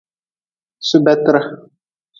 Subetre.